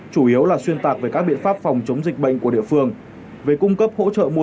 chủ yếu là xuyên tạc về các biện pháp phòng chống dịch bệnh của địa phương về cung cấp hỗ trợ mua